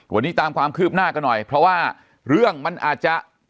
วันนี้ตามความคืบหน้ากันหน่อยเพราะว่าเรื่องมันอาจจะ